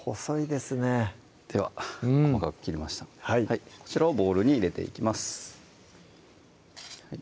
では細かく切りましたのでこちらをボウルに入れていきます